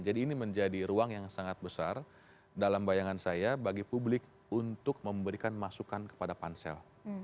jadi ini menjadi ruang yang sangat besar dalam bayangan saya bagi publik untuk memberikan masukan kepada pansel